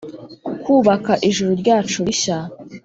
kubaka ijuru ryacu rishya